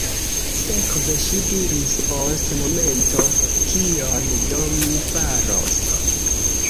Sekve, ŝi diris post momento, kion do mi faros?